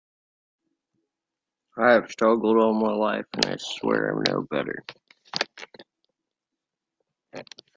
I have struggled all my life, and I swear I'm no better.